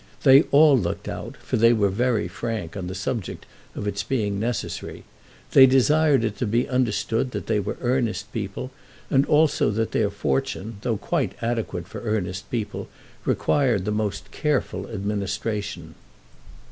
They all looked out, for they were very frank on the subject of its being necessary. They desired it to be understood that they were earnest people, and also that their fortune, though quite adequate for earnest people, required the most careful administration.